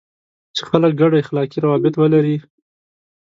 چې خلک ګډ اخلاقي روابط ولري.